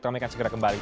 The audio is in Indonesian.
kami akan segera kembali